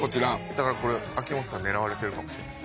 だからこれ秋元さん狙われてるかもしれない。